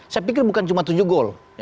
saya pikir bukan cuma tujuh gol